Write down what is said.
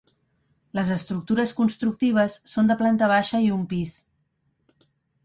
Les estructures constructives són de planta baixa i un pis.